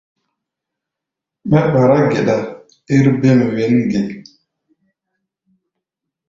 Mɛ́ ɓará geɗa ér bêm wěn ge?